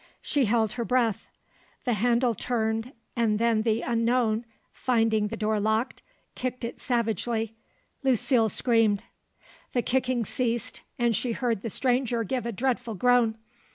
She held her breath. The handle turned, and then the unknown, finding the door locked, kicked it savagely. Lucile screamed. The kicking ceased, and she heard the stranger give a dreadful groan.